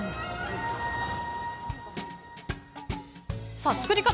さあ作り方